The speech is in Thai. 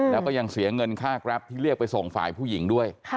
แล้วก็ยังเสียเงินค่าแกรปที่เรียกไปส่งฝ่ายผู้หญิงด้วย